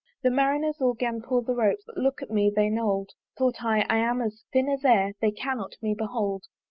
The Marineres all 'gan pull the ropes, But look at me they n'old: Thought I, I am as thin as air They cannot me behold.